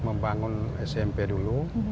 membangun smp dulu